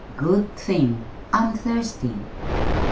Good thing! I'm thirsty."